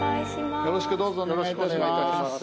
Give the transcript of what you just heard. よろしくお願いします。